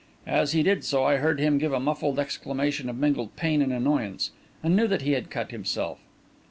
As he did so, I heard him give a muffled exclamation of mingled pain and annoyance, and knew that he had cut himself.